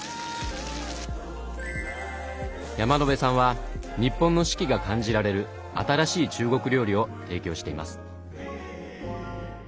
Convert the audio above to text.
山野辺さんは日本の四季が感じられる新しい中国料理を提供しています。